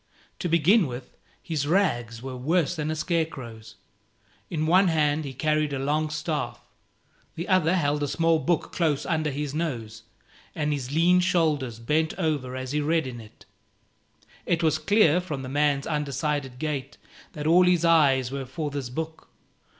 To begin with, his rags were worse than a scarecrow's. In one hand he carried a long staff; the other held a small book close under his nose, and his lean shoulders bent over as he read in it. It was clear, from the man's undecided gait, that all his eyes were for this book.